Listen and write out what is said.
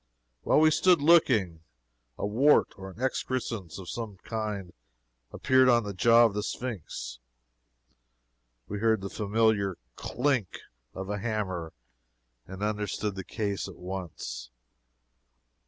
While we stood looking, a wart, or an excrescence of some kind, appeared on the jaw of the Sphynx. We heard the familiar clink of a hammer, and understood the case at once.